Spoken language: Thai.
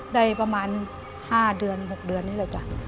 ได้ประมาณ๕เดือน๖เดือนนี่แหละจ้ะ